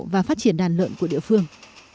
và phát triển đàn lợn của địa phương